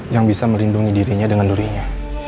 yang bisa melindungi dirinya dengan durinya